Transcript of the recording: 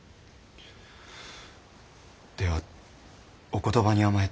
ではお言葉に甘えて。